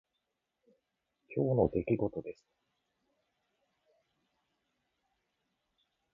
今日の出来事です。